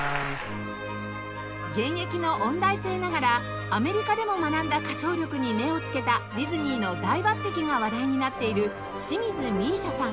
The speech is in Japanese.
現役の音大生ながらアメリカでも学んだ歌唱力に目をつけたディズニーの大抜擢が話題になっている清水美依紗さん